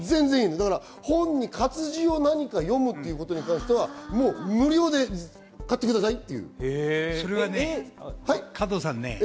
活字を読むっていうことに関しては、無料で買ってくださいっていう。